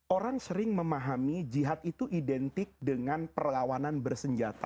orang sering memahami jihad itu identik dengan perlawanan bersenjata